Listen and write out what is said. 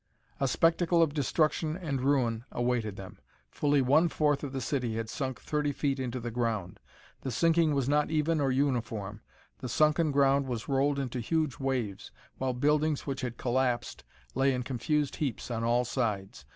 A spectacle of destruction and ruin awaited them. Fully one fourth of the city had sunk thirty feet into the ground. The sinking was not even nor uniform. The sunken ground was rolled into huge waves while buildings which had collapsed lay in confused heaps on all sides.